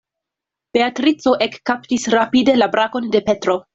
Beatrico ekkaptis rapide la brakon de Petro.